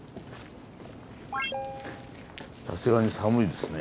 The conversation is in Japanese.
さすがに寒いですね。